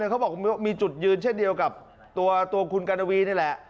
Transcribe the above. เขาบอกมีจุดยืนเช่นเดียวกับตัวคุณกัณวีนี่แหละ